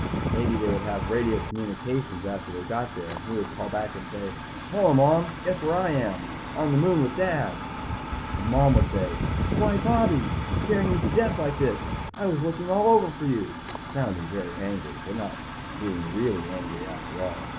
Maybe they would have radio communication after they got there and he would call back and say, Hello, Mom! Guess where I am? On the moon with Dad! And Mom would say, Why, Bobby! Scaring me to death like this! I was looking all over for you. Sounding very angry but not being really angry after all.